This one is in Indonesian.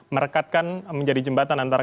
merekatkan menjadi jembatan antara